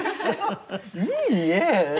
「いいえ！」。